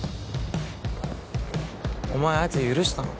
お前あいつ許したの？